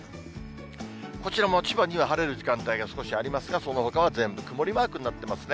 こちらも千葉には晴れる時間帯が少しありますが、そのほかは全部曇りマークになってますね。